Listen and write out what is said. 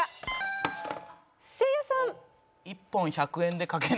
せいやさん。